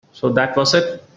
So that was it.